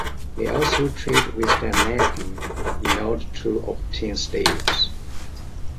They also trade with the Neogi in order to obtain slaves.